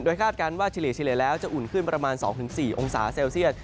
คาดการณ์ว่าเฉลี่ยแล้วจะอุ่นขึ้นประมาณ๒๔องศาเซลเซียต